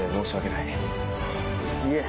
いえ。